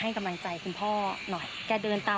ให้กำลังใจคุณพ่อหน่อยไหมคะ